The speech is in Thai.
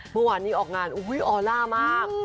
เมื่อวานนี้ออกงานออล่ามาก